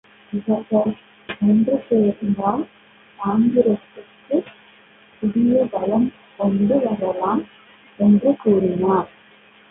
இவர்களை ஒன்று சேர்த்தால் காங்கிரசிற்கு புதிய பலம் கொண்டு வரலாம் என்று கூறினார்.